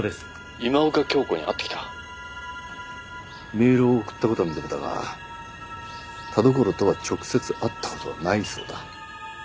「今岡鏡子に会ってきた」メールを送った事は認めたが田所とは直接会った事はないそうだ。